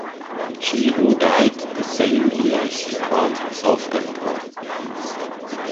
Shi Hu died the same year he crowned himself emperor.